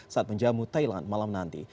saat menjamu thailand malam nanti